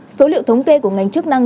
số liệu thống kê của ngành chức năng